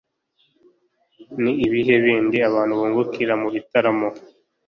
ni ibihe bindi abantu bungukira mu gitaramo?